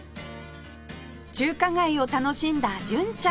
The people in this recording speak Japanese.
中華街を楽しんだ純ちゃん